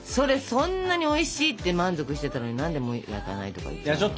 そんなにおいしいって満足してたのに何でもう焼かないとか言っちゃうの？